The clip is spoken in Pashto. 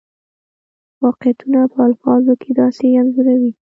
واقعیتونه په الفاظو کې داسې انځوروي.